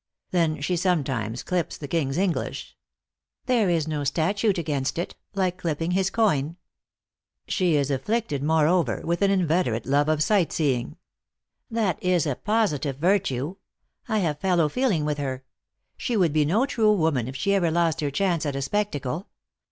" Then she sometimes clips the king s English !"" There is no statute against itr, like clipping his coin." " She is afflicted, moreover, with an inveterate love of sight seeing." "That is a positive virtue. I have fellow feeling with her. She would be no true woman if she ever lost her chance at a spectacle.